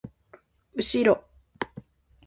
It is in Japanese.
うしろ